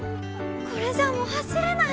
これじゃもう走れない。